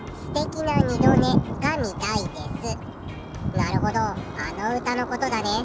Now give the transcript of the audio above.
なるほどあの歌のことだね。